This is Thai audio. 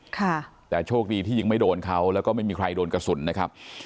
ค่ะแต่โชคดีที่ยิงไม่โดนเขาแล้วก็ไม่มีใครโดนกระสุนนะครับ